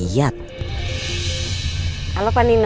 ya belum saat delicaten